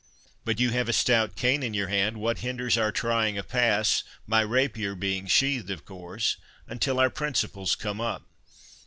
But you have a stout cane in your hand—what hinders our trying a pass (my rapier being sheathed of course) until our principals come up?